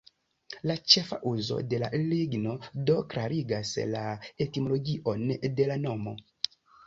La ĉefa uzo de la ligno do klarigas la etimologion de la nomo.